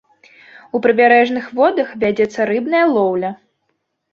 У прыбярэжных водах вядзецца рыбная лоўля.